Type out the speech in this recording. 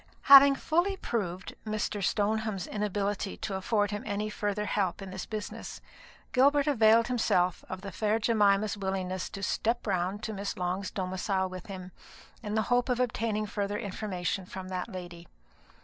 Having fully proved Mr. Stoneham's inability to afford him any further help in this business, Gilbert availed himself of the fair Jemima's willingness to "step round" to Miss Long's domicile with him, in the hope of obtaining fuller information from that lady.